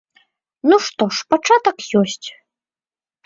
Ну што ж, пачатак ёсць!